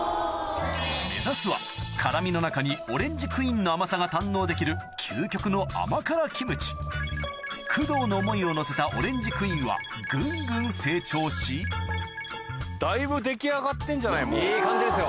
目指すは辛みの中にオレンジクインの甘さが堪能できる究極の甘辛キムチ工藤の思いを乗せたオレンジクインはぐんぐん成長しいい感じですよ。